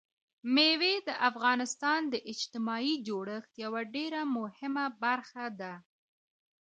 مېوې د افغانستان د اجتماعي جوړښت یوه ډېره مهمه برخه ده.